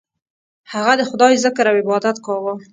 هغه د خدای ذکر او عبادت کاوه.